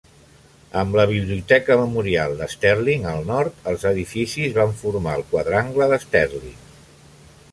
Amb la Biblioteca Memorial de Sterling al nord, els edificis van formar el Quadrangle de Sterling.